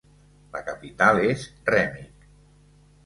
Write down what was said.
La capital és Remich.